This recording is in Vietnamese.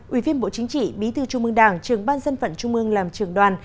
ủy viên bộ chính trị bí thư trung mương đảng trường ban dân phận trung mương làm trường đoàn